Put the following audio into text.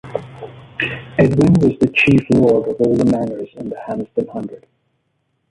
Edwin was the chief lord of all the manors in the Hamestan Hundred.